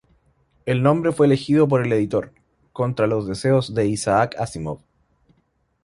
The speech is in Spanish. El nombre fue elegido por el editor, contra los deseos de Isaac Asimov.